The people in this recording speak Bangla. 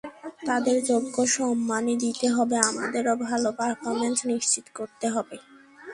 তাদের যোগ্য সম্মানই দিতে হবে, আমাদেরও ভালো পারফরম্যান্স নিশ্চিত করতে হবে।